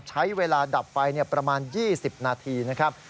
ใช้เวลาดับไฟประมาณ๒๐นาทีนะครับ